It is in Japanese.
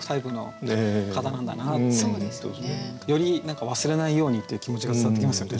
より何か忘れないようにっていう気持ちが伝わってきますよね。